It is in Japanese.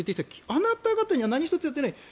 あなた方には何一つ言っていない。